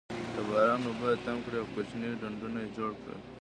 د باران اوبه یې تم کړې او کوچني ډنډونه یې جوړ کړل.